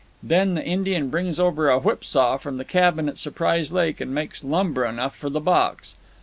Then the Indian brings over a whipsaw from the cabin at Surprise Lake and makes lumber enough for the box.